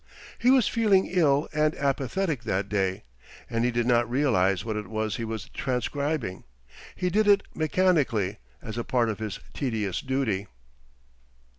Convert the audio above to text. He was feeling ill and apathetic that day, and he did not realise what it was he was transcribing. He did it mechanically, as a part of his tedious duty.